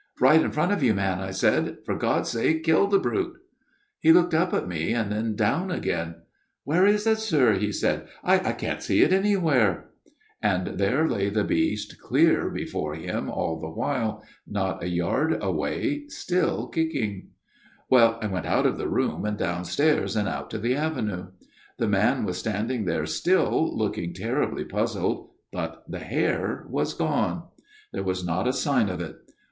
' Right in front of you, man/ I said. ' For God's sake kill the brute/ " He looked up at me, and then down again. "' Where is it, sir/ he said. ' I can't see it anywhere/ " And there lay the beast clear before him all the while, not a yard away, still kicking. 246 A MIRROR OF SHALOTT " Well, I went out of the room and downstairs and out to the avenue. " The man was standing there still, looking terribly puzzled, but the hare was gone. There was not a sign of it.